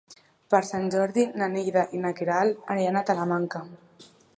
Per Sant Jordi na Neida i na Queralt aniran a Talamanca.